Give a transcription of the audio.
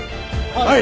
はい！